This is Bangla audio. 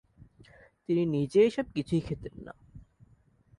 তিনি নিজে এ সব কিছুই খেতেন না।